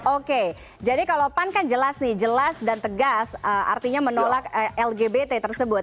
oke jadi kalau pan kan jelas nih jelas dan tegas artinya menolak lgbt tersebut